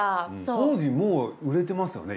当時もう売れてますよね。